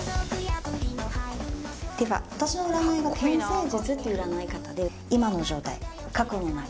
では私の占いが天星術っていう占い方で今の状態過去の流れ